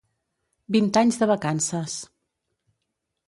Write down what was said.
Vint anys de vacances.